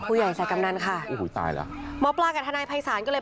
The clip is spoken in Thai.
ผู้ใหญ่ใส่กำนันค่ะโอ้โหตายแล้วหมอปลากับทนายภัยศาลก็เลย